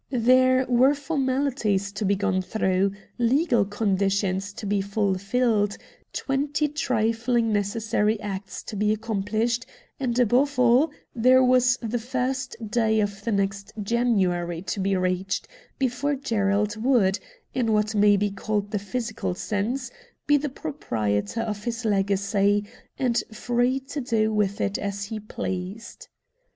There were formalities to be gone through, legal conditions to be fulfilled, twenty trifling necessary acts to be accomplished, and above all there was the first day of the next January to be reached, before Gerald would, in what may be called the physical sense, be the pro prietor of his legacy, and free to do with it as he pleased.